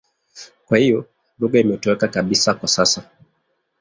Kwa hiyo lugha imetoweka kabisa kwa sasa.